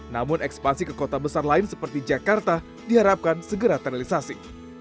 namun ekspansi ke kota besar lain seperti jakarta diharapkan segera terrealisasi